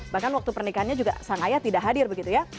bahkan waktu pernikahannya juga sang ayah tidak hadir begitu ya